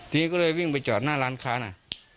ทีนี้ก็เลยวิ่งไปจอดหน้าร้านค้านะ